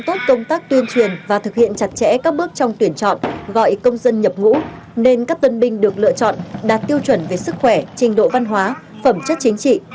thứ trưởng lê quốc hùng cũng đã thực hiện chặt chẽ các bước trong tuyển chọn gọi công dân nhập ngũ nên các tân binh được lựa chọn đạt tiêu chuẩn về sức khỏe trình độ văn hóa phẩm chất chính trị